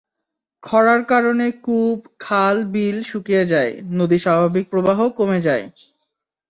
খরার কারণে কূপ, খাল, বিল শুকিয়ে যায়, নদীর স্বাভাবিক প্রবাহ কমে যায়।